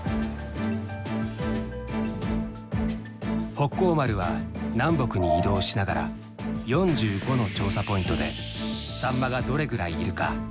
北光丸は南北に移動しながら４５の調査ポイントでサンマがどれくらいいるか推定する。